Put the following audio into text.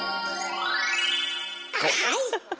はい！